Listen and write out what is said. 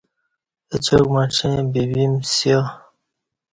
اچاک مڄیں بیبم سیا